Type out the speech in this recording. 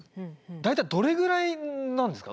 大体どれぐらいなんですか？